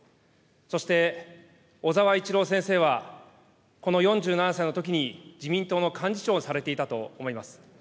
そして小沢一郎先生は、この４７歳のときに自民党の幹事長をされていたと思います。